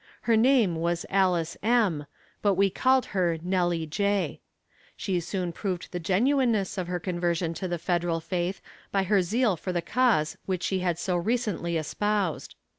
Her name was Alice M., but we called her Nellie J. She soon proved the genuineness of her conversion to the Federal faith by her zeal for the cause which she had so recently espoused.